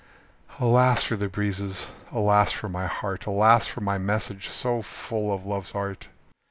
Alas for the breezes, alas for my heart, Alas for my message, so full of love's art!